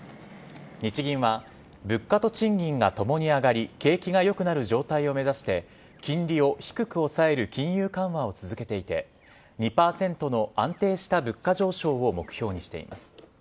日銀は物価と賃金が共に上がり景気が良くなる状態を目指して金利を低く抑える金融緩和を続けていて２％の安定した物価上昇を目標にしています。